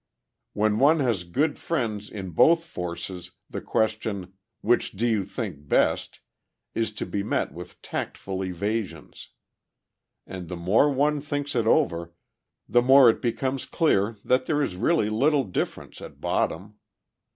When one has good friends in both forces, the question "Which do you think best?" is to be met with tactful evasions. And the more one thinks it over, the more it becomes clear that there is really little difference at bottom.